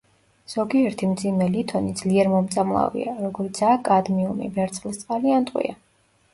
ზოგიერთი მძიმე ლითონი ძლიერ მომწამლავია, როგორიცაა კადმიუმი, ვერცხლისწყალი ან ტყვია.